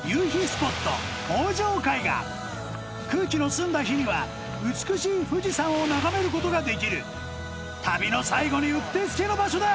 スポット空気の澄んだ日には美しい富士山を眺めることができる旅の最後にうってつけの場所だ